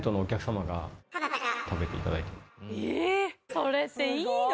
それっていいの？